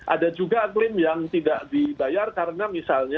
ada juga klaim yang tidak dibayar karena misalnya